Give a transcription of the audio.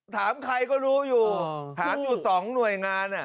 ถามใครก็รู้อยู่ถามอยู่๒หน่วยงาน